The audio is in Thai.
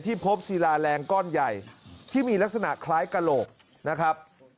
พบศิลาแรงก้อนใหญ่ที่มีลักษณะคล้ายกระโหลกนะครับ